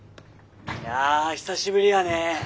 いや久しぶりやね。